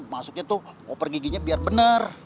maksudnya tuh koper giginya biar bener